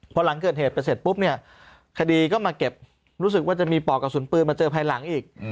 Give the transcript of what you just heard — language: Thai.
พอหลังเกิดเหตุไปเสร็จปุ๊บเนี่ยคดีก็มาเก็บรู้สึกว่าจะมีปอกกระสุนปืนมาเจอภายหลังอีก